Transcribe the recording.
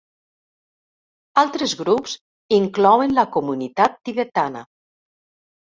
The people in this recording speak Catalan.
Altres grups inclouen la comunitat tibetana.